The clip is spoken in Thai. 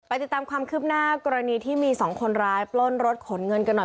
ติดตามความคืบหน้ากรณีที่มีสองคนร้ายปล้นรถขนเงินกันหน่อย